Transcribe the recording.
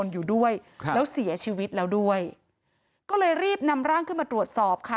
อยู่ชีวิตแล้วด้วยก็เลยรีบนำร่างขึ้นมาตรวจสอบค่ะ